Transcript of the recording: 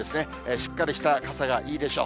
しっかりした傘がいいでしょう。